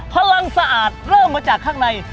พลังสะอาดเริ่มมาจากข้างใน